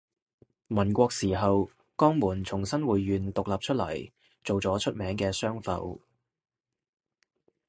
民國時候江門從新會縣獨立出嚟做咗出名嘅商埠